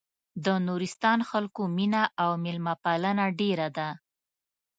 د نورستان خلکو مينه او مېلمه پالنه ډېره ده.